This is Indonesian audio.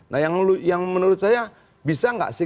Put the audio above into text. nah yang menurut saya bisa nggak sih